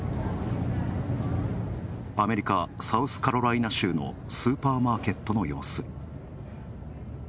アメリカ、サウスカロライナ州のスーパーマーケットの様子。